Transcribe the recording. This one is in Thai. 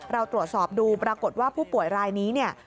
เราตรวจสอบดูปรากฏว่าผู้ป่วยรายนี้เนี่ย